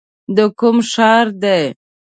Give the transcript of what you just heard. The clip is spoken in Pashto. د کوم ښار دی ؟